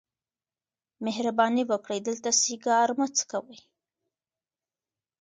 مهرباني وکړئ دلته سیګار مه څکوئ.